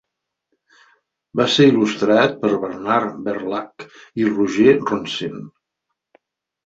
Va ser il·lustrat per Bernard Verlhac i Roger Ronsin.